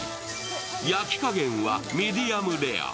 焼き加減はミディアムレア。